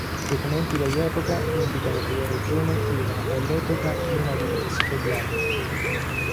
Documenti dell'epoca indicano che la regione era, all'epoca, piena di "sfollati".